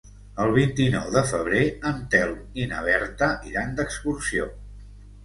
El vint-i-nou de febrer en Telm i na Berta iran d'excursió.